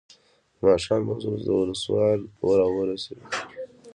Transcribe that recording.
د ماښام لمونځ وروسته ولسوال راورسېد.